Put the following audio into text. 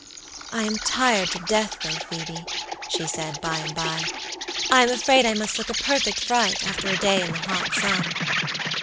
"I am tired to death, though, Phoebe," she said, by and by. "I am afraid I must look a perfect fright, after a day in the hot sun."